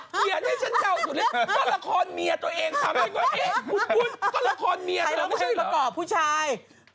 ใครร้องเพลงประกอบผู้ชาย